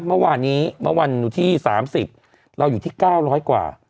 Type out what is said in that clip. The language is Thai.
เมื่อวานนี้เมื่อวันที่๓๐เราอยู่ที่๙๐๐กว่า